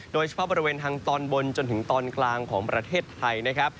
โดยเฉพาะบริเวณทางตอนบนจนถึงตอนกลางของประเทศไทยนะครับ